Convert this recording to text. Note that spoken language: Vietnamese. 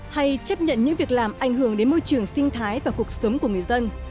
hay chấp nhận những việc làm ảnh hưởng đến môi trường sinh thái và cuộc sống của người dân